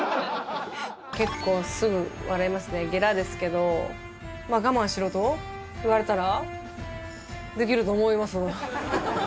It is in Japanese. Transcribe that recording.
結構すぐ笑いますね、ゲラですけど、我慢しろと言われたら、できると思います。